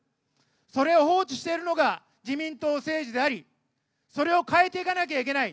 それを放置しているのが、自民党政治であり、それを変えていかなきゃいけない。